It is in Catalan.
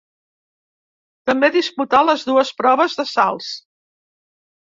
També disputà les dues proves de salts.